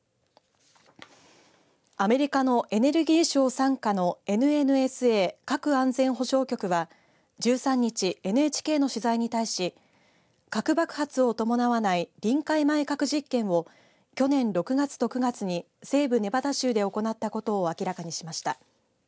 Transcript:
アメリカのエネルギー省傘下のＮＮＳＡ＝核安全保障局は１３日、ＮＨＫの取材に対し核爆発を伴わない臨界前核実験を去年６月と９月に西部ネバダ州で行ったことを明らかにしました。